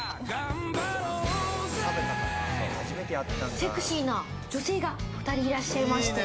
セクシーな女性が２人いらっしゃいました。